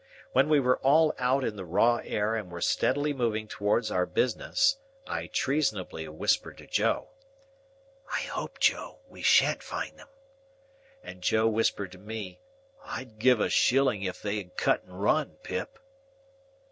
When we were all out in the raw air and were steadily moving towards our business, I treasonably whispered to Joe, "I hope, Joe, we shan't find them." and Joe whispered to me, "I'd give a shilling if they had cut and run, Pip."